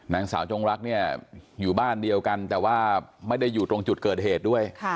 นางสาวจงรักเนี่ยอยู่บ้านเดียวกันแต่ว่าไม่ได้อยู่ตรงจุดเกิดเหตุด้วย